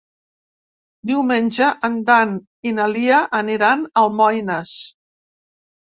Diumenge en Dan i na Lia aniran a Almoines.